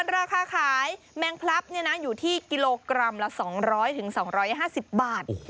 ราคาขายแมงพลับอยู่ที่กิโลกรัมละ๒๐๐๒๕๐บาท